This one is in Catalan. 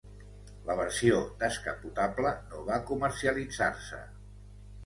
La versió descapotable no va comercialitzar-se.